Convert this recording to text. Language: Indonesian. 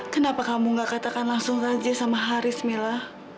kenapa kamu gak katakan langsung saja sama haris milla